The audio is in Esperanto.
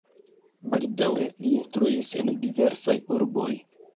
Baldaŭe li instruis en diversaj urboj.